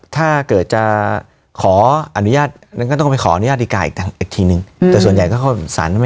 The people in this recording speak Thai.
ถ้าเกิดจะขออนุญาตก็ต้องไปขออนุญาตดีการอีกทางอีกทีหนึ่งอืมแต่ส่วนใหญ่ก็เข้าสรรไม่ให้